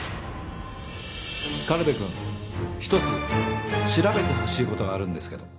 軽部くん１つ調べてほしいことがあるんですけど。